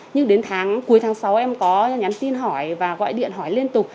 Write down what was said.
nhưng đến tháng cuối tháng sáu em có nhắn tin hỏi và gọi điện hỏi liên tục